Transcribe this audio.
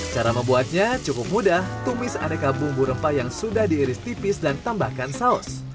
cara membuatnya cukup mudah tumis aneka bumbu rempah yang sudah diiris tipis dan tambahkan saus